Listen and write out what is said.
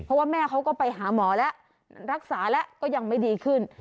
เพราะว่าแม่เขาก็ไปหาหมอแล้วรักษาแล้วก็ยังไม่ดีขึ้น